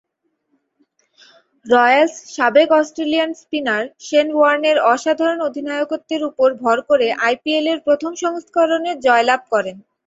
Royals সাবেক Australian spinner Shane ওয়ার্নের অসাধারণ অধিনায়কত্বের উপর ভর করে আইপিএল এর প্রথম সংস্করণে জয়লাভ করেন।